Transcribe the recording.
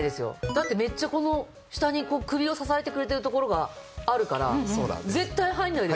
だってめっちゃこの下に首を支えてくれている所があるから絶対入らないですよこれ。